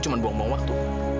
kamu hanya mengeluarkan waktu